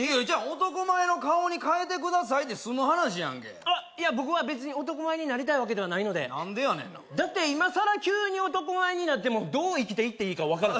男前の顔に変えてくださいで済む話やんけいや僕は別に男前になりたいわけではないので何でやねんなだって今さら急に男前になってもどう生きていっていいか分からん